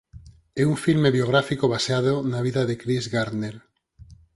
É un filme biográfico baseado na vida de Chris Gardner.